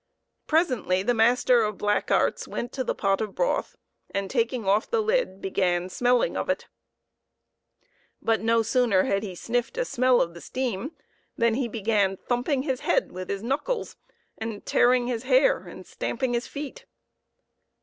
Presently the master of black arts went to the pot of broth, and, taking off the lid, began smelling of it. But no sooner had he sniffed a smell of the steam than he began thumping his head with his knuckles, and tearing his hair, and stamping his feet.